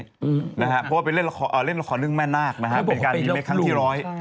เพราะว่าไปเล่นละครเรื่องแม่นาคนะฮะเป็นการรีเมคครั้งที่ร้อย